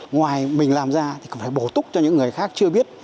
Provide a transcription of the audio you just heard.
ngoài mình làm ra thì còn phải bổ túc cho những người khác chưa biết